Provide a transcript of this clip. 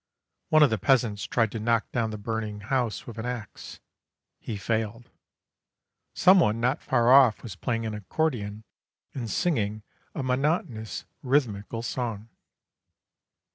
One of the peasants tried to knock down the burning house with an axe. He failed. Someone not far off was playing an accordion and singing a monotonous rhythmical song.